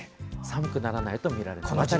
寒くならないと見られない。